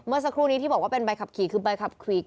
เมื่อสักครู่นี้ที่บอกว่าเป็นใบขับขี่คือใบขับขี่